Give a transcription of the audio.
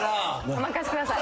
お任せください。